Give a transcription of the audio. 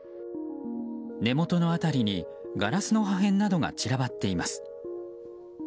根元の辺りにガラスの破片などが散らばっています。